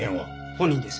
本人です。